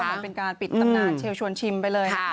มันเป็นการปิดตำนานเชลชวนชิมไปเลยนะคะ